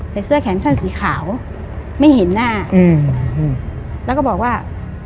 แต่เสื้อแขนสั้นสีขาวไม่เห็นหน้าอืมแล้วก็บอกว่า